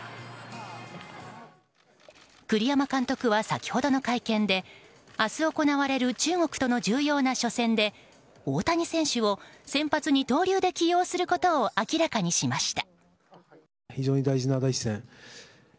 栗山監督は先ほどの会見で明日行われる中国との重要な初戦で大谷選手を先発二刀流で起用することを明らかにしました。